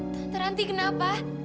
tante ranti kenapa